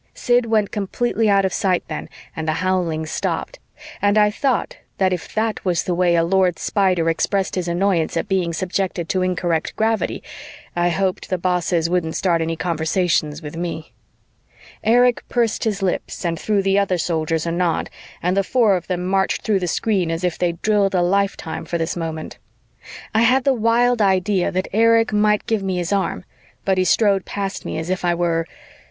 Sid went completely out of sight then and the howling stopped, and I thought that if that was the way a Lord Spider expressed his annoyance at being subjected to incorrect gravity, I hoped the bosses wouldn't start any conversations with me. Erich pursed his lips and threw the other Soldiers a nod and the four of them marched through the screen as if they'd drilled a lifetime for this moment. I had the wild idea that Erich might give me his arm, but he strode past me as if I were